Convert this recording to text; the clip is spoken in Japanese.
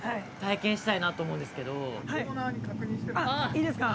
いいですか。